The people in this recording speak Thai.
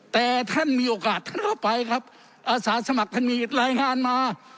แต่ท่านมีโอกาสทั่วไปครับอาสาสมัครท่านมีรายงานมา